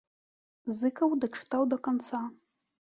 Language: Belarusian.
Зыкаў дачытаў да канца.